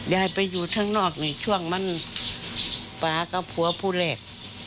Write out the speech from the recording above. ยายไปอยู่ข้างนอกนี่ช่วงมันป๊ากับผัวผู้แรก